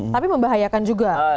tapi membahayakan juga